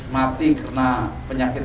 mati karena penyakit